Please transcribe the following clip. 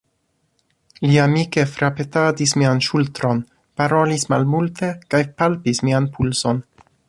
Li amike frapetadis mian ŝultron, parolis malmulte kaj palpis mian pulson.